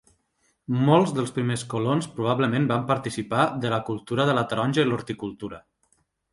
Molts dels primers colons probablement van participar de la cultura de la taronja i l'horticultura.